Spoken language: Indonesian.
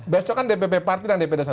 besok kan dpp partai dan dpd satu